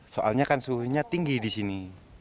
soalnya kan suhunya tinggi di sini